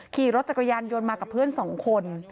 ขี่รถจักรยานยนต์มากับเพื่อนสองคน